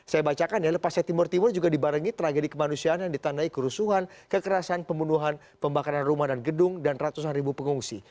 saya bacakan ya lepasnya timur timur juga dibarengi tragedi kemanusiaan yang ditandai kerusuhan kekerasan pembunuhan pembakaran rumah dan gedung dan ratusan ribu pengungsi